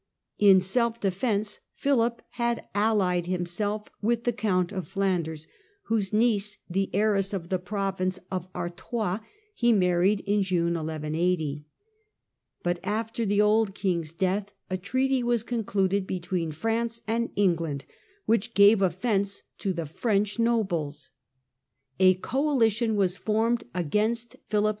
In self defence Philip had allied himself with the Count of Flanders, whose niece, the heiress of the province of 185 186 THE CENTRAL PERIOD OF THE MIDDLE AGE i Artois, he married in June 1180. But after the old king's death a treaty was concluded between France and England, which gave offence to the French nobles. A coalition was formed against Philip II.